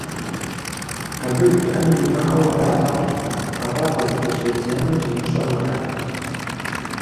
Абы жиӀэн имыӀэу аратэкъым, атӀэ къыздыщӀидзэнур имыщӀэу арат.